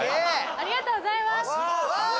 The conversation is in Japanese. ありがとうございます！